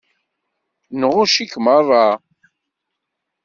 Nɣucc-ik i meṛṛa.